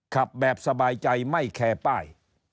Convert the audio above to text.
ขับแบบสบายใจไม่แคร์ป้าย